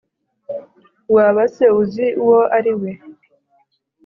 Waba se uzi uwo ari we?